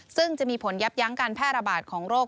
ซึ่งจะมีผลยับยั้งการแพร่ระบาดของโรค